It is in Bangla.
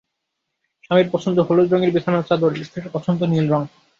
স্বামীর পছন্দ হলুদ রঙের বিছানার চাদর স্ত্রীর পছন্দ নীল রঙ।